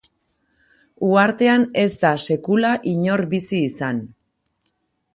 Uhartean ez da sekula inor bizi izan.